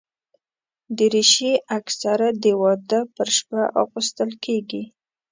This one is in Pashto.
دریشي اکثره د واده پر شپه اغوستل کېږي.